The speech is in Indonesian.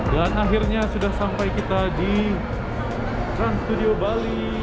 dan akhirnya sudah sampai kita di trans studio bali